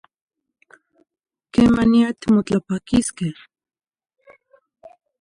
Quemaniyah timotlapaquis